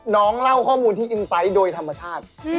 เล่าข้อมูลที่อินไซต์โดยธรรมชาติ